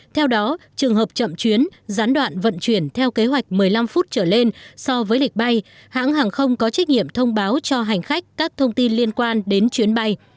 theo đó trường hợp chậm chuyến gián đoạn vận chuyển theo kế hoạch một mươi năm phút trở lên so với lịch bay hãng hàng không có trách nhiệm thông báo cho hành khách các thông tin liên quan đến chuyến bay